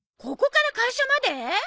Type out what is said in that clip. ここから会社まで！？